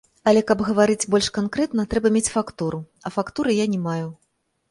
Але каб гаварыць больш канкрэтна, трэба мець фактуру, а фактуры я не маю.